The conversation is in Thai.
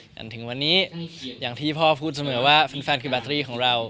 จนถึงวันนี้อย่างที่พ่อพูดเสมอว่าแฟนคือบาตรีของเรา